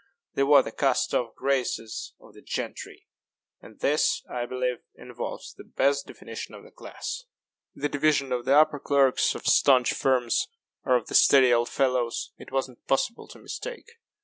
They wore the cast off graces of the gentry; and this, I believe, involves the best definition of the class. The division of the upper clerks of staunch firms, or of the "steady old fellows," it was not possible to mistake.